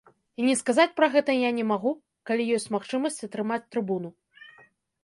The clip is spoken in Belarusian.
І не сказаць пра гэта я не магу, калі ёсць магчымасць атрымаць трыбуну.